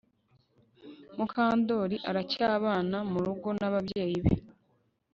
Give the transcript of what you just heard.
Mukandoli aracyabana murugo nababyeyi be